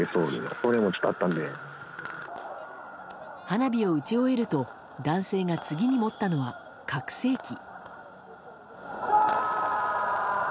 花火を打ち終えると男性が次に持ったのは拡声機。